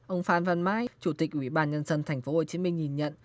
ông phan văn mai chủ tịch ủy ban nhân dân thành phố hồ chí minh nhìn nhận